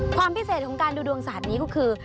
ความพิเศษของการดูดวงศาสตร์นี้ก็คือ